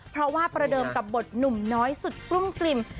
เพราะว่าประเดิมกับบทหนุ่มน้อยสุดกลุ้มกลิ่ม